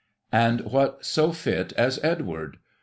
"And what so fit as Edward.?